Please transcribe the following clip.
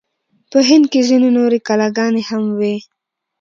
په هند کې ځینې نورې کلاګانې هم وې.